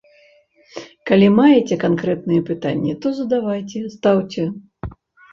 Калі маеце канкрэтныя пытанні, то задавайце, стаўце.